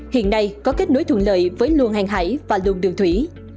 hiện nay có kết nối thuận lợi với luồng hàng hải và luồng đường thủy